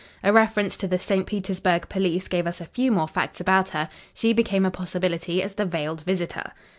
A reference to the St. Petersburg police gave us a few more facts about her. She became a possibility as the veiled visitor.